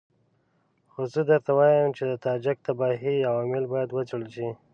خو زه درته وایم چې د تاجک د تباهۍ عوامل باید وڅېړل شي.